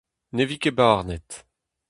Ne vi ket barnet.